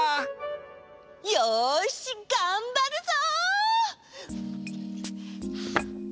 よしがんばるぞ！